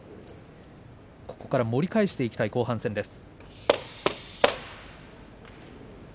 盛り返していきたい後半戦です。